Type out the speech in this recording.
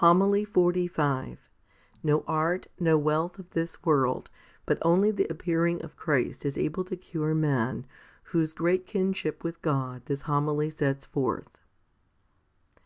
1 2 Pet. i. 4. 2 Heb. x. 23. HOMILY XLV No art, no wealth of this world, but only the appearing of Christ, is able to cure man, whose great kinship with God this Homily sets forth.